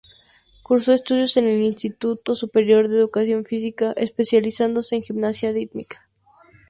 Cursó estudios en el Instituto Superior de Educación Física, especializándose en gimnasia rítmica.